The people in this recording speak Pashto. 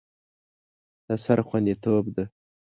د سر خوندیتوب ده.